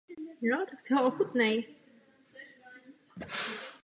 Tato informace byla českou policií označena jako nepravdivá.